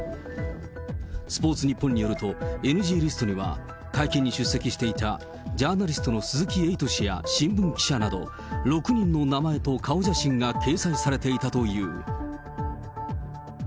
スポーツニッポンによると、ＮＧリストには、会見に出席していたジャーナリストの鈴木エイト氏や新聞記者など、６人の名前と顔写真が掲載されていたという。